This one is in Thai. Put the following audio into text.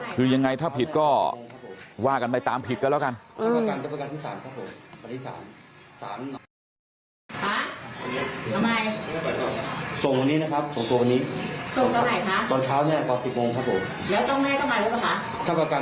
คือยังไงถ้าผิดก็ว่ากันไปตามผิดก็แล้วกัน